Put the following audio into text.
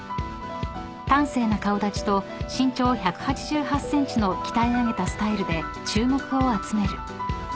［端正な顔立ちと身長１８８ｃｍの鍛え上げたスタイルで注目を集める］